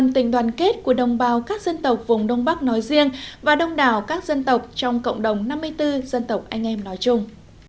tình đoàn kết của đồng bào các dân tộc vùng đông bắc nói riêng và đông đảo các dân tộc trong cộng đồng năm mươi bốn dân tộc anh em nói chung